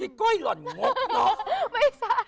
ไอ้ก้อยหล่อนมกเนาะ